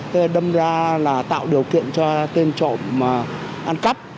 thứ hai là tạo điều kiện cho tên trộm ăn cắp